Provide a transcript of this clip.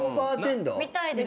見たいです。